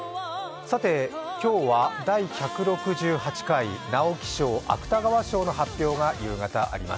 今日は第１６８回直木賞・芥川賞の発表が夕方あります。